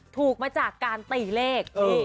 ถูกมาจากการตีเลข